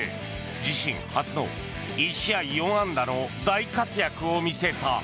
自身初の１試合４安打の大活躍を見せた。